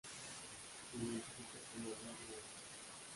Se identifica como Radio Uno.